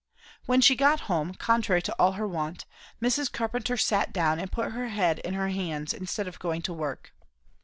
When she got home, contrary to all her wont, Mrs. Carpenter sat down and put her head in her hands, instead of going to work.